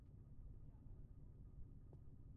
په زړه پورې وه.